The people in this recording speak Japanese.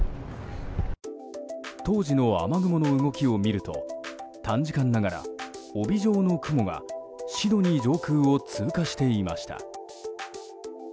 当時の雨雲の動きを見ると短時間ながら帯状の雲がシドニー上空を通過していました。